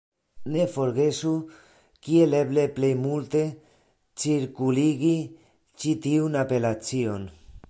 Ne forgesu kiel eble plej multe cirkuligi ĉi tiun apelacion!